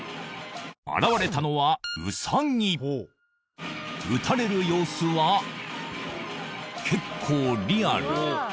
現れたのはウサギ。撃たれる様子は結構リアル。